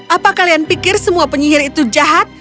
apa kalian pikir semua penyihir itu jahat